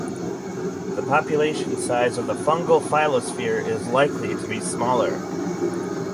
The population size of the fungal phyllosphere is likely to be smaller.